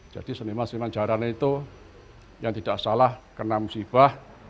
jadi seniman seniman jarang itu yang tidak salah kena musibah